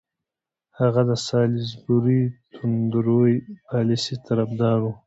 هغه د سالیزبوري توندروي پالیسۍ طرفدار وو.